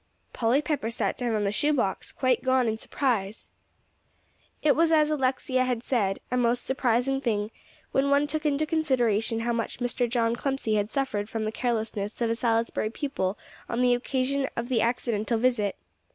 Polly Pepper sat down on the shoe box, quite gone in surprise. It was as Alexia had said: a most surprising thing, when one took into consideration how much Mr. John Clemcy had suffered from the carelessness of a Salisbury pupil on the occasion of the accidental visit.